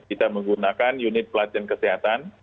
kita menggunakan unit pelatihan kesehatan